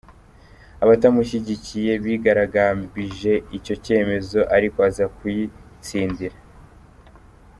Abatamushyigikiye bigaragambirije icyo cyemezo ariko aza kuyitsindira.